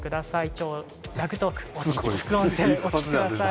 「超ラグトーク」副音声、お聞きください。